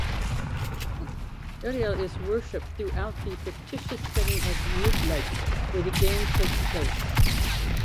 Ereal is worshiped throughout the fictitious setting of Midlight, where the game takes place.